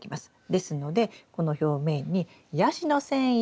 ですのでこの表面にヤシの繊維。